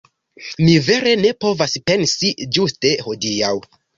Mi vere ne povas pensi ĝuste hodiaŭ